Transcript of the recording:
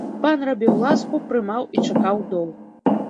Пан рабіў ласку, прымаў і чакаў доўг.